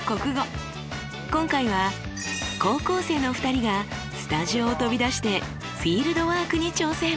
今回は高校生の２人がスタジオを飛び出してフィールドワークに挑戦。